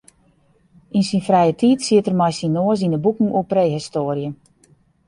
Yn syn frije tiid siet er mei syn noas yn de boeken oer prehistoarje.